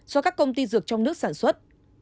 do các công ty dược trong nước sản xuất